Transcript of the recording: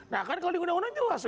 nah kan kalau di undang undang jelas